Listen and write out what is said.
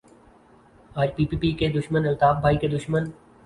آج پی پی پی کے دشمن الطاف بھائی کے دشمن